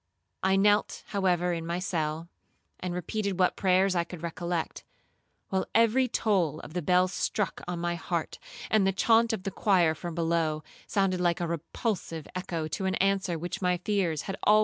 I knelt however in my cell, and repeated what prayers I could recollect, while every toll of the bell struck on my heart, and the chaunt of the choir from below sounded like a repulsive echo to an answer which my fears already anticipated from heaven.